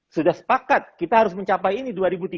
sudah sepakat kita harus mencapai ini dua ribu tiga puluh